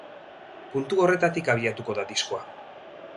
Puntu horretatik abiatuko da diskoa.